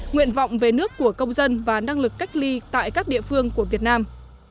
nguyện vọng về nước của công dân và năng lực cách ly tại các địa phương của việt nam